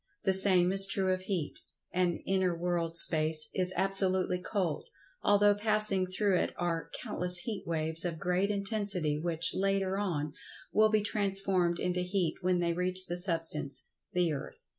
The same is true of Heat, and inter world Space is absolutely cold, although passing through it are countless heat waves of great intensity, which, later on, will be transformed into Heat when they reach the Substance, the earth.